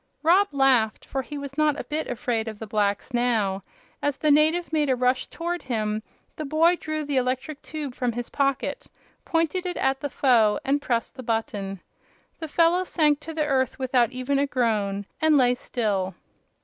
Rob laughed, for he was not a bit afraid of the blacks now. As the native made a rush toward him the boy drew the electric tube from his pocket, pointed it at the foe, and pressed the button. The fellow sank to the earth without even a groan, and lay still.